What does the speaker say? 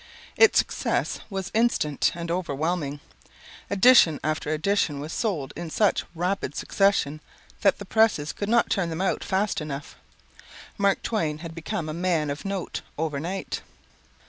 Its success was instant and overwhelming. Edition after edition was sold in such rapid succession that the presses could not turn them out fast enough. Mark Twain had become a man of note over night.